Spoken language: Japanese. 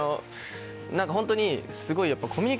何かホントにすごいやっぱ。